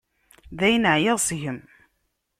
Dayen, ɛyiɣ seg-m.